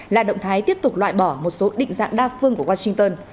là động thái tiếp tục loại bỏ một số định dạng đa phương của washington